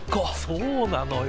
そうなのよ。